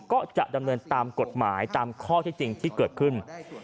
ก็จะดำเนินตามกฎหมายตามข้อที่จริงที่เกิดขึ้น